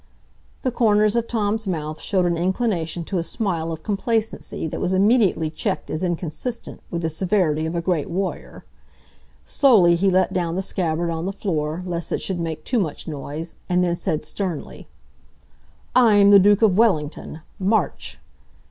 The corners of Tom's mouth showed an inclination to a smile of complacency that was immediately checked as inconsistent with the severity of a great warrior. Slowly he let down the scabbard on the floor, lest it should make too much noise, and then said sternly,— "I'm the Duke of Wellington! March!"